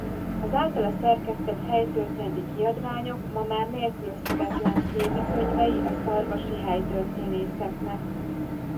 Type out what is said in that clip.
Az általa szerkesztett helytörténeti kiadványok ma már nélkülözhetetlen kézikönyvei a szarvasi helytörténészeknek.